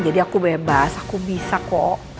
jadi aku bebas aku bisa kok